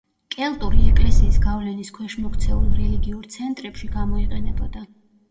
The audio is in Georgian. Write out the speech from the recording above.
კელტური ეკლესიის გავლენის ქვეშ მოქცეულ რელიგიურ ცენტრებში გამოიყენებოდა.